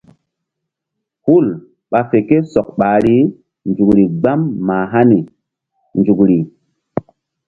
Hul ɓa fe ké sɔk ɓahri nzukri gbam mah hani nzukri.